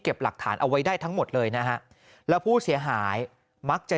หลักฐานเอาไว้ได้ทั้งหมดเลยนะฮะแล้วผู้เสียหายมักจะ